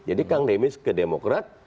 jadi kang demis ke demokrat